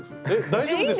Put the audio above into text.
大丈夫ですって。